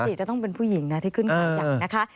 ปกติจะต้องเป็นผู้หญิงนะที่ขึ้นขายอย่างนะคะ